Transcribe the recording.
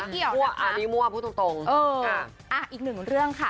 เอานี่มัวพูดตรงอีกหนึ่งเรื่องค่ะ